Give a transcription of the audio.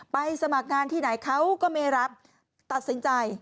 สมัครงานที่ไหนเขาก็ไม่รับตัดสินใจ